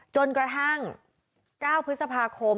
จนกระทั่ง๙พฤษภาคม